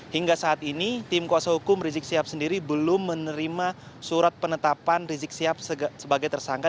hingga saat ini tim kuasa hukum rizik sihab sendiri belum menerima surat penetapan rizik sihab sebagai tersangka